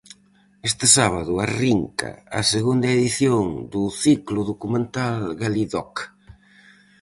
Este sábado arrinca a segunda edición do ciclo documental galidoc.